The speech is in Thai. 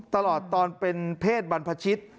ตลอดตอนเป็นเพศบรรพชิต